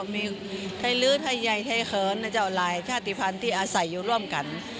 มีไทยลื้อไทยใหญ่ไทยเขินนะเจ้าหลายชาติภัณฑ์ที่อาศัยอยู่ร่วมกัน